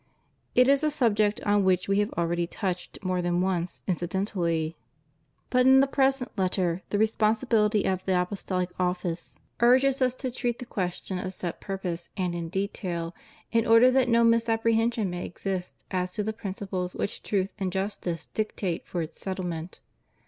It is a subject on which We have already touched more than once, incidentally. But in the 208 CONDITION OF THE WORKING CLASSES. 209 present Letter, the responsibility of the Apostolic office urges us to treat the question of set purpose and in detail, in order that no misapprehension may exist as to the principles which truth and justice dictate for its settlement.